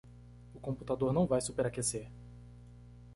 O computador não vai superaquecer